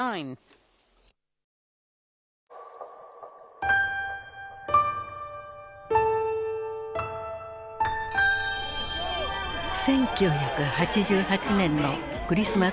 １９８８年のクリスマスシーズン。